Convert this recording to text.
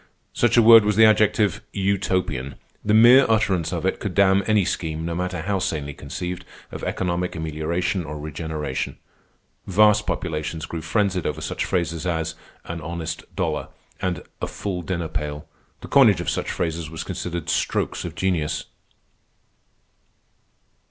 Such a word was the adjective Utopian. The mere utterance of it could damn any scheme, no matter how sanely conceived, of economic amelioration or regeneration. Vast populations grew frenzied over such phrases as "an honest dollar" and "a full dinner pail." The coinage of such phrases was considered strokes of genius.